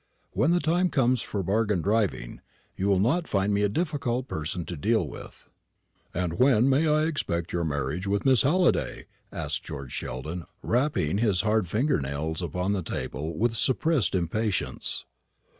When the time comes for bargain driving, you'll not find me a difficult person to deal with. "And when may I expect your marriage with Miss Halliday?" asked George Sheldon, rapping his hard finger nails upon the table with suppressed impatience.